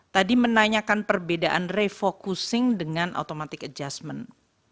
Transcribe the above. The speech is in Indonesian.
tadi menanyakan perbedaan refocusing dengan automatic adjustment